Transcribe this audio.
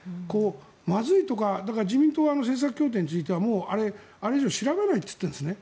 まずいとか、自民党はあの政策協定についてはあれ以上調べないと言っているんですね。